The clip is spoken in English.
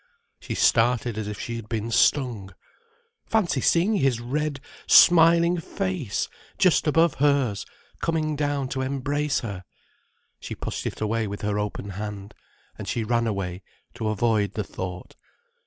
She started as if she had been stung. Fancy seeing his red, smiling face just above hers, coming down to embrace her! She pushed it away with her open hand. And she ran away, to avoid the thought.